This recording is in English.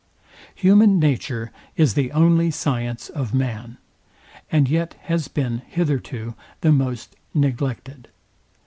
Human Nature is the only science of man; and yet has been hitherto the most neglected.